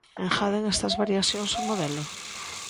Engaden estas variacións ao modelo?